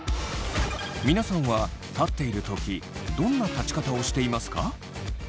皆さんは立っている時どんな立ち方をしていますか？